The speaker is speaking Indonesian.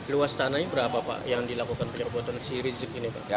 luas tanahnya berapa pak yang dilakukan penyemprotan si rizik ini pak